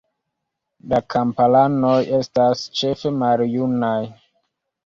La kamparanoj estas ĉefe maljunaj.